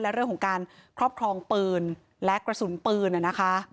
และเรื่องของการครอบครองปืนและกระสุนปืนนะคะ